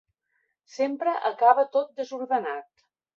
Sempre acaba tot desordenat.